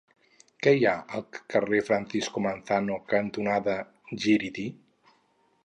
Què hi ha al carrer Francisco Manzano cantonada Gíriti?